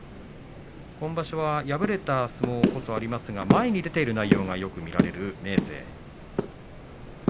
今場所は敗れた相撲こそありますが、前に出ている内容がよく見られる明生です。